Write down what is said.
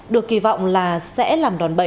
được kỳ vọng là sẽ làm đòn bẩy